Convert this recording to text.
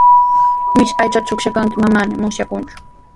Mishi aycha suqanqanta manami musyayaaku.